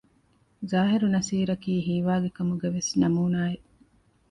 ޒާހިރު ނަޞީރަކީ ހީވާގި ކަމުގެވެސް ނަމޫނާއެއް